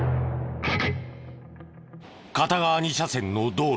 片側２車線の道路。